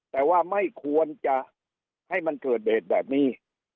แต่ว่าไม่ควรจะให้มันเกิดเหตุแบบนี้